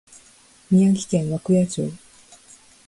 宮城県涌谷町